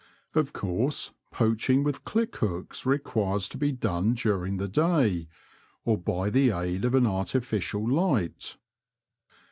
Of course, poaching with click hooks requires to be done during the day, or by the aid of an artificial light.